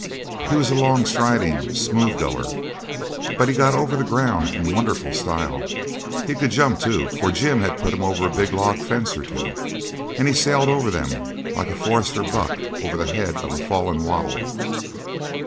He was a long striding, smooth goer, but he got over the ground in wonderful style. He could jump, too, for Jim put him over a big log fence or two, and he sailed over them like a forester buck over the head of a fallen wattle.